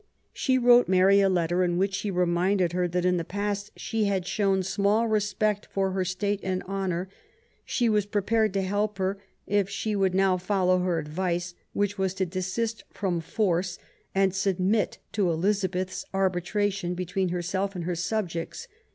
She wrote Mary a letter in which she reminded her that in the past she had " shown small respect for her state and honour "; she was prepared to help her if she would now follow her advice, which was to desist from force and submit to Elizabeth's arbitration between ELIZABETH AND MARY STUART, 103 herself and her subjects.